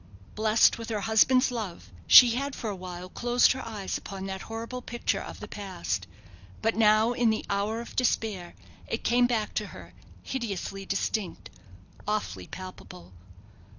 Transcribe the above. Blessed with her husband's love, she had for a while closed her eyes upon that horrible picture of the past; but now, in the hour of despair, it came back to her, hideously distinct, awfully palpable.